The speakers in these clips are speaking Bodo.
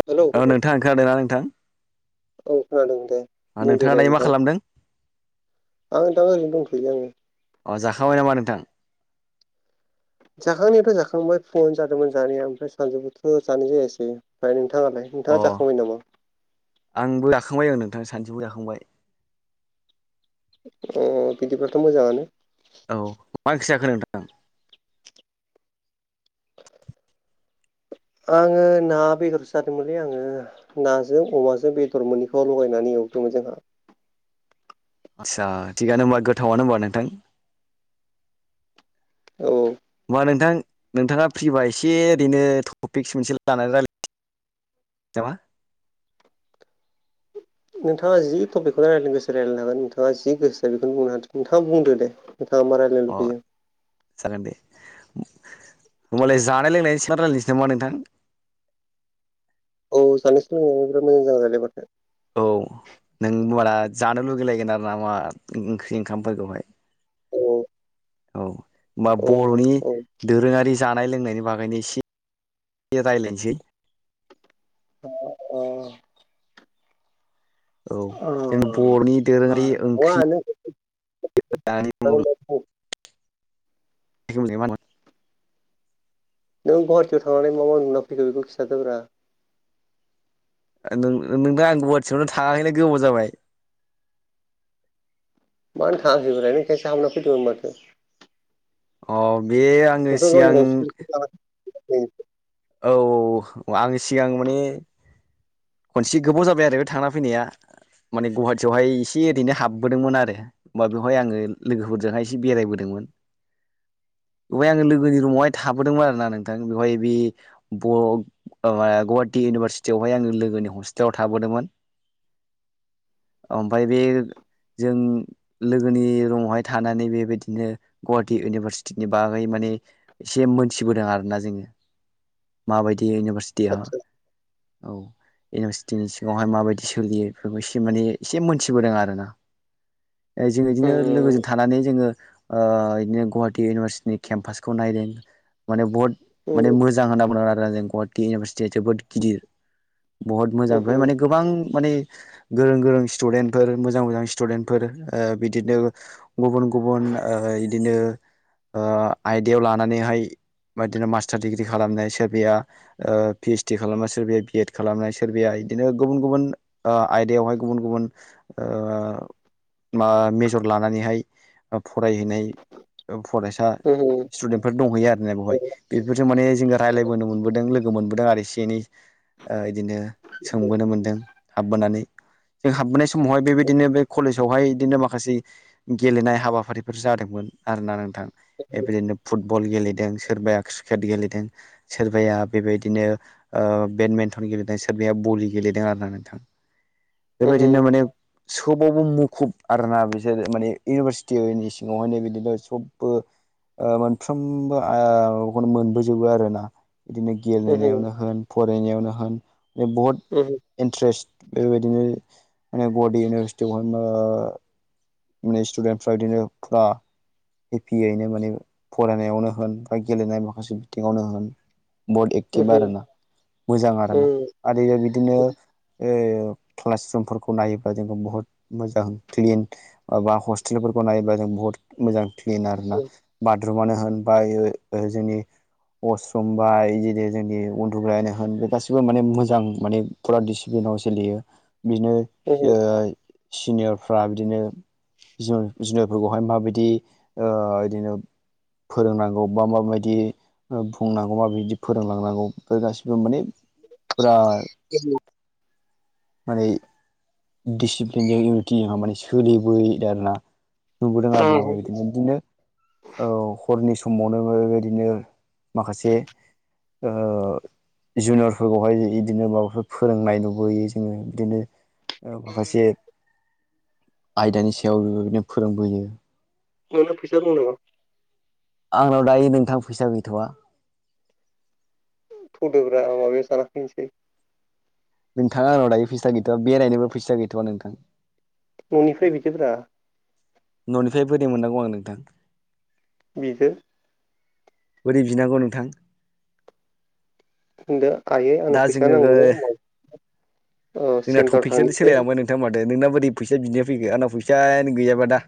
हेलौ औ नोंथां खोनादों ना नोंथां औ खोनादों दे बुंदो नोंथाङा दे दायो मा नोंथां खालामदों आं नोंथां ओरैनो दंथ'यो आङो अ जाखांबाय नामा नोंथां जाखांनायाथ' जाखांबाय फुङावनो जादोंमोन जानाया ओमफ्राय सानजौफुआवथ' जानाय जायासै ओमफ्राय नोंथाङालाय अ नोंथाङा जाखांबाय नामा आंबो जाखांबाय ओ नोंथां सानजौफुनिबो जाखांबाय अ बिदिब्लाथ' मोजाङानो औ मा ओंख्रि जाखो नोंथां आङो ना बेदरसो जादोंमोनलै आङो नाजों अमाजों बेदर मोननैखौ लगायनानै एवदोंमोन जोंहा आतसा थिगानो होमबा गोथावानो होनबा नोंथां औ होमबा नोंथां नोंथाङा फ्रिबा एसे ओरैनो टपिक्स मोनसे लानानै रायलायनो [unintelligible] [unintelligible] नोंथाङा जि टपिकखौनो रायलायनो गोसो रायलायनो हागोन नोंथाङा गोसो जादों बेखौनो बुंनो हागोन नोंथाङा बुंदो दे [unintelligible] अ जागोन दे होमबालाय जानाय लोंनायनि सायाव नो‌ रायज्लायनोसै नामा नोंथां औ सानै सोलोंनाया बिराद मोजां जागोन रायलाय बाथाय औ नों होनबाना जानो लुगैलायगोन आरोना मार ओंख्रि ओंखामफोरखौहाय औ औ होमबा औ बर'नि औ दोरोङारि जानाय लोंनायनि बागैनो एसे रायलायनोसै अ औ औ जों बर'नि दोरोङारि नङा ओंख्रि नों होननानै बुङोब्ला [unintelligible] नों गुवाहाटियाव थांनानै मा नुना फैखो बेखौ खिथादोब्रा नोंथां आं गुवाहाटिआवनो थाङाखैलै गोबाव जाबाय मानो थाङाखै बेलाय दाख्लैसो थांनानै फैदोंमोन माथो अ बे आङो नोंथ' गावनि सिगां [unintelligible] फैदों औ औ आं सिगां माने खनसे गोबाव जाबाय आरो बे थांना फैनाया माने गुवाहाटियावहाय एसे ओरैनो हाबबोदोंमोन आरो होमबा बेवहाय आङो लोगोफोरजोंहाय एसे बेरायबोदोंमोन। बेवहाय आंङो लोगोनि रुमावहाय थाबोदोंमोन आर ना नोंथां बेवहाय बे बर' गुवाहाटि इउनिभारसिटियावहाय आंङो लोगोनि हस्टेलाव थाबोदोंमोन ओमफ्राय बे जों लोगोनि रङावहाय थानानै बेबायदिनो गुवाहाटिी इउनिभारसिटिनि बागै माने एसे मोनथिबोदों आरोना जोङो माबायदि इउनिभारसिटिया आदसा औ इउनिभारसिटिनि सिगाङावहाय माबायदि सोलियो बेफोरखौ एसे माने एसे मोनथिबोदों आरोना ए जों बिदिनो लोगोजों थानानै जोङो बिदिनो गुवाहाटिी इउनिभारसिटिनि केम्पासखौ नायदों माने बहुत माने मोजां होनना बुङो जों गुवाहाटि इउनिभारसिटिया जोबोद गिदिर बहुत मोजां ओमफाय माने गोबां माने गोरों गोरों स्टुदेन्टफोर मोजां मोजां स्टुदेन्टफोर बिदिनो गुबुन गुबुन बिदिनो आयदायाव लानानैहाय बिदिनो मास्टार डिग्रि खालामनाय सोरबाया पि ओइस डि खालामनाय सोरबाया बिएड खालामनाय सोरबाया बिदिनो गुबुन गुबुन ओ आयदायावहाय गुबुन गुबुन ओ मा मेजर लानानैहाय फरायहैनाय फरायसा [unintelligible] स्टुदेन्टफोर दंहैयो आरोना बेवहाय बेफोरफोरखौजों माने जोंङो रायज्लायबोनो मोनबोदों लोगो मोनबोदों आरो एनै ओ बिदिनो सोंबोनो मोनदों हाबबोनानै जों हाबबोनाय समावहाय बेबायदिनो बे कलेजावहाय बिदिनो माखासे गेलेनाय हाबाफारिफोर जादोंमोन आरोना नोंथां बेबायदिनो फुटबल गेलेदों सोरबाया क्रिकेट गेलेदों सोरबाया बेबायदिनो बेडमिन्टन गेलेदों सोरबाया बलि गेलेदों आरोना नोंथां बेबायदिनो माने सोबावबो मुखुब आरोना बिसोरो माने इउनिभारसिटिनि सिङावहायनो बिदिनो सबबो ओ मोनफ्रोमबो ओ बेखौनो मोनबोजोबो आरोना बिदिनो गेलेनायावनो होन फरायनायावनो होन बहुद [unintelligible] इन्ट्रेस्ट बेबायदिनो माने गुवाहाटिी इउनिभारसिटियावहाय माने स्टुडेन्टफ्रा बिदिनो फा एपियनो माने फरायनायावनो होन बा गेलेनाय माखासे बिथिङावनो होन बहद एक्टिभ आरो ना मोजां आर ना आरो बिदिनो ओ क्लास रुमफोरखौ नायोब्ला जों बुहुत मोजां क्लिन बाबा हस्टेलफोरखौ नायोबा जों बुहुत मोजां क्लिन आरो ना ब द्रुमानो होन बा ओ जोंनि अवासरुमबा जेरै जोंनि उन्दुग्रायनो होन बे गासिबो माने मोजां माने फुरा दिडिसिप्लिनाव सोलियो बिदिनो ओ सिनियरफ्रा बिदिनो जुनिवरफोरखौहाय माबायदि बिदिनो फोरोंनांगौ बा माबायदि बुंनांगौ मा बिदि फोरोंलांनांगौ बेमफ्राय गासिबो माने फुरा माने दिसिप्लिनजों इउनिटिजोंहा माने सोलिबो दि आरोना नुबोदों आरैना बिदिनो औ हरनि समावनो बेबायदिनो माखासे जुनियरफोरखौहाय इदिनो माबाफोर फोरोंनाय नुबोयो जोंङो इदिनो नोंना माखासे आयदानि सायाव बेदिनो फोरोंबोयो नोंनाव फैसा दं नामा आंनाव दायो नोंथां फैसा गैथ'वा थुदोब्रा माबायाव जानाफैनोसै नोंथां आन दायो फैसा गैथया बेरायनोबो फैसा गैथ'वा नोंथां न'निफ्राय बिदोब्रा न'निफ्राय बोरै मोननांगौ आं नोंथां बिदो बोरै बिनांगौ नोंथां होनदो आयै आंनो दा फैसा जोङो नांगौ जोंना सेन्टाराव टपिकसआनो थांनोसै सोलायलांबाय माथो नोंना बोरै फैसा बिनाया फैखो आंनाव फैसायानो गैयाबा दा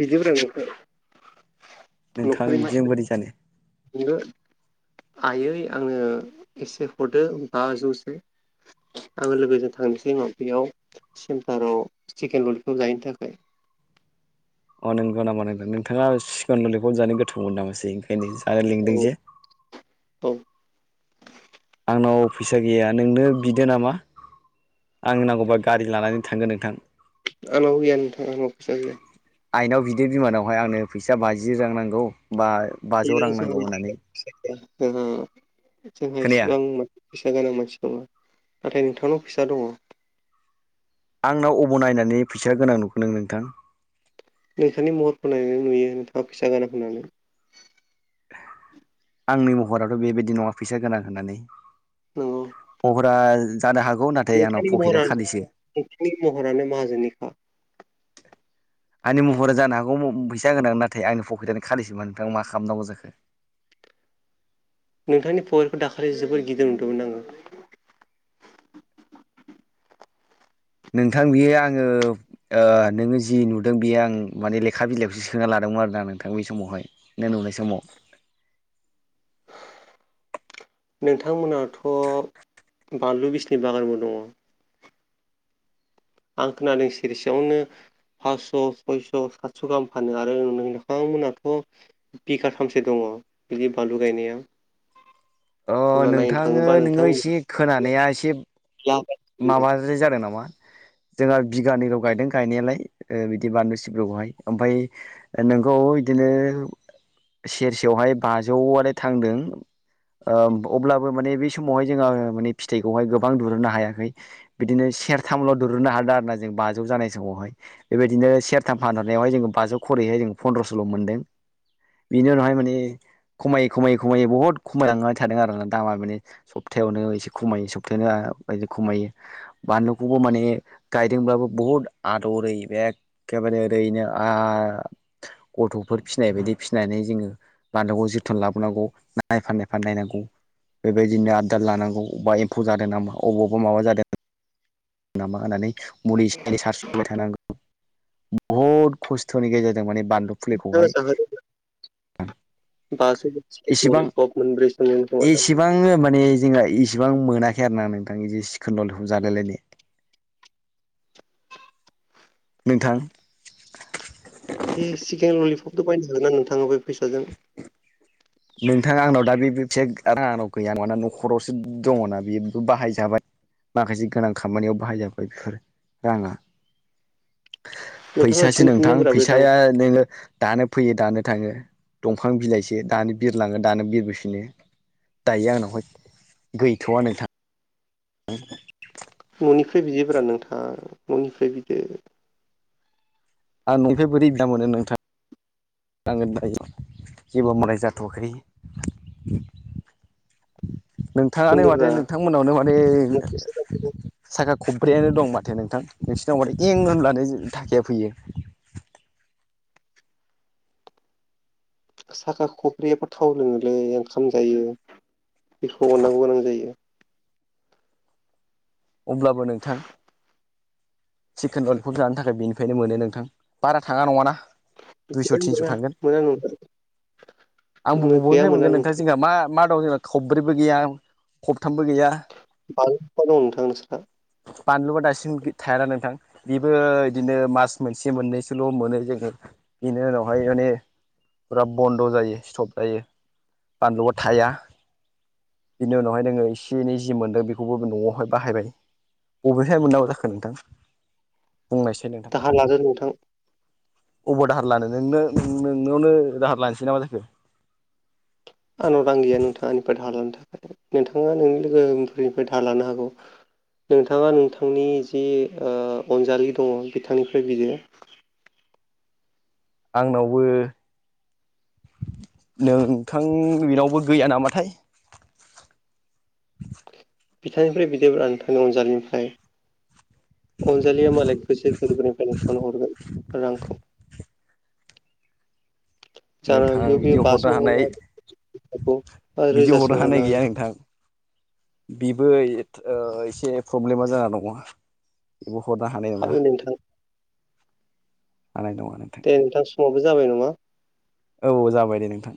बिदोब्रा बिदो नोंथां न'खरनि बिदिजों मानसि बोरै जानो आयै आंनो एसे हरदो बाजौसो आङो लोगोजों थांनोसै उनाव बेयाव सेमटाराव चिकेन ललिफबखौ जाहैनो थाखाय अ नंगौ नामा नोंगौ नोंथाङा सिकेन ललिफब जानो गोथाव मोनो नामासै ओंखायनो जानो लिंदों औ जे औ आंनाव फैसा गैया नोंनो बिदो नामा आंनो नांगौबा गारि लानानै थांगोन नोंथां आंनाव गैया नोंथां आंनाव फैसा गैया आइनाव बिदो बिमानावहाय आंनो फैसा बाजि रां नांगौ बा बाजौ रां नांगौ होननानै जों जोंहा खोनाया इसेबां मा फैसा गोनां मानसि नङा नाथाय नोंथांनाव फैसा दङ आंनाव अबाव नायनानै फैसा गोनां नुखो नों नोंथां नोंथांनि महरखौ नायनानै नुयो नोंथानाव फैसा दङ' होननानै आंनि महराथ' बेबायदि नङा फैसा गोनां होननानै नोंगौ महरा जानो हागौ नाथाय आंनाव नोंथांनि पकेटआ महरानो खालिसो नोंथांनि महरानो माहाजोननिखा आंनि महरा जानो हागौ फैसा गोनां नाथाय आंनि पकेटआनो खालिसोबा नोंथाङा मा खालामनांगौ जाखो नोंथांनि [unintelligible] दाखालि जोबोर गिदिर नुदोंमोन आङो नोंथां बियो आङो ओ नोङो जि नुदों बेयो आं माने लेखा बिलाइखौसो सोना लादोंमोन आरोना नोंथां बे समावहाय नों नुनाय समाव नोंथांमोनाथ' बानलु बिसनि बागानबो दङ आं खोनादों सेरसेयावनो फास्स' सयस' सातस' गाहाम फानो आरो नोंथांमोनाथ' बिगाथामसे दङ बिदि बानलु गायनाया अ अब्ला नायनो नोंथाङो थाङोबा नोङो एसे खोनानाया एसे जाबाय माबाद्राय जादों नामा जोंहा बिगानैल गायदों गायनायालाय बिदि बानलु सिब्रुखौहाय ओमफ्राय नोंखौ बिदिनो सेरसेयावहाय बाजौआलाय थांदों ओ अब्लाबो माने बे समावहाय जोङो माने फिथाइखौहाय गोबां दुरुननो हाया बिदिनो सेरथामल' दुरुननो हादों आरो ना जों बाजौ जानाय समावहाय बेबायदिनो सेरथाम फानहरनायावहाय जोङो बाजौ खरैहाय जोङो फन्द्रस'ल' मोनदों बेनि उनावहाय माने खमायै खमायै खमायै बहुद खमायलांनानै थादों आरोना दामा माने सप्थायायावनो एसे खमायो सप्थायनो बिदि खमायो बानलुखौबो माने गायदोंब्लाबो बहुद आदरै एख एखेबारे ओरैनो आ गथ'फोर फिसिनाय बायदि फिसिनानै जोङो बानलुखौ जोथोन लाबोनांगौ नायफा नायफा नायनांगौ बेबायदिनो आदार लानांगौ बबा एमफौ जादों नामा अबावबा माबा जादों नामा होननानै मुलि एसे एनै सारस्रोबाय थानांगौ बहुद खसथ'नि गेजेरजों माने बानलु फुलिखौहाय [unintelligible] सिकेन ललिफब मोनब्रैसो मोनगोन खोमा दां आं माने जोंहा इसिबां मोनाखै आरो ना नोंथां बिदि सिखेनल ललिफब जालाय लायनो नोंथां बे सिकेन ललिपथ' बायनोगोन ना नोंथाङा बे फैसाजों नोंथाङा आंनाव दा बे फैसाया आंनाव गैया नङाना न'खरावसो दङना बेबो बाहायजाबाय माखासे गोनां खामानियाव बाहायजाबाय बेफोर राङा नोंथाङा फैसासो नोंथां दिहुनफिननोब्रा बे रां फैसाया नोङो दानो फैयो दानो थाङो दंफां बिलाइसो दानो बिरलाङो दानो बिरबोफिनो दायो आंनावहाय गैथ'वा नोंथां [inaudible] न'निफ्राय बिदोब्रा नोंथां न'निफ्राय बिदो आं ननिफ्राय बोरै बिना मोनो नोंथां नांगोन दायो जेबो माय जाथ'वाखै नोंथाङानो माथे होनदोब्रा नोंथांमोनावनो माने साखा खब्रैयानो दं माथो नोंथां नोंसिनाव माथो इं होनबानो थाखाया फैयो साखा खबब्रैयाबा थाव लोङोलै ओंखाम जायो बेखौ अननांगौ गोनां जायो अब्लाबो नोंथां चिकेन ललिपप जानो थाखाय बेनिफ्रायनो मोनो नोंथां बारा थाङा नङाना दुइस' थिनस' [unintelligible] थांगोन मोजां न आंबो बबनिफ्राय मोनगोन नोंथां जोंहा मा मा दं जोंना खब्रैबो गैया खबथामबो गैया [unintelligible] दं नोंथां नोंसोर बानलुवा दासिम थायाना नोंथां बेबो बिदिनो मास मोनसे मोननैसोल' मोनो जोङो बेनि उनावहाय माने फुरा बन्द' जायो स्टप जायो बानलुआ थाया बिनि उनावहाय नोङो एसे एनै जि मोन्दों बेखौबो न'आवहाय बाहायबाय अबेहाय मोननांगौ जाखो नोंथां बुंनायसै नों दाहार लादो नोंथां अबाव दाहार लानो नोंनो नोंनावनो दाहार लानोसै नामा जाखो आंनाव रां गैया नोंथां आंनिफ्राय दाहा लानो थाखाय नोंथाङा नोंनि लोगोफोरनिफ्राय दाहार लानो हागौ नोंथाङा नोंथांनि जि अनजालि दङ बिथांनिफ्राय बिदो आंनावबो नोंथां बेनावबो गैया नामाथाय बिथांनिफ्राय बिदोब्रा नोंथांनि अनजालिनिफ्राय अनजालिया मालाय गोसो गोरबोनिफ्राय नोंनो हरगोन रांखौ जानो नोंथां हागौ बेयो बिदि हरनो बाजौ हानाय हागौ बिदि रोजासे हरनो हानाय गैया हागौ नोंथां बेबो एसे प्रब्लेमा जाना दङो बेबो हरनो हानाय नङा हायो नोंथां हानाय नङा दे नोंथां समाबो जाबाय नामा औ जाबाय दे नोंथां